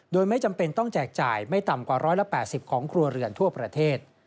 โดยไม่จำเป็นต้องแจกจ่ายไม่ต่ำกว่า๑๘๐ของครัวเรือนทั่วประเทศ